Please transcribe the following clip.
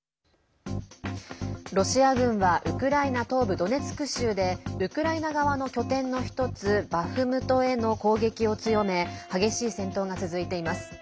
ロシア軍はウクライナ東部ドネツク州でウクライナ側の拠点の１つバフムトへの攻撃を強め激しい戦闘が続いています。